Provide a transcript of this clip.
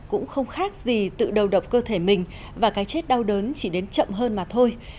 cũng không khác gì tự đầu độc cơ thể mình và cái chết đau đớn chỉ đến chậm hơn mà thôi